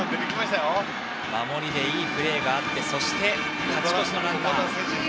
守りでいいプレーがあって勝ち越しのランナー。